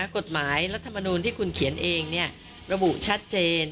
รัฐมนูลที่คุณเขียนเองระบุชัดเจน